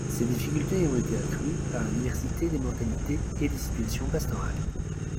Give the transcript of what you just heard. Ces difficultés ont été accrues par la diversité des mentalités et des situations pastorales.